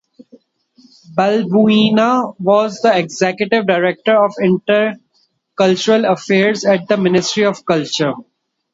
Balbuena was the Executive Director of Intercultural Affairs at the Ministry of Culture.